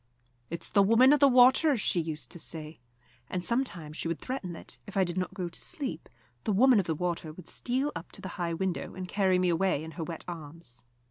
"It's the Woman of the Water," she used to say; and sometimes she would threaten that, if I did not go to sleep, the Woman of the Water would steal up to the high window and carry me away in her wet arms.